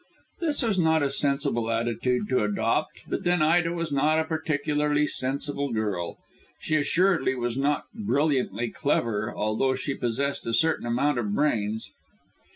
This was not a sensible attitude to adopt, but then Ida was not a particularly sensible girl. She assuredly was not brilliantly clever, although she possessed a certain amount of brains.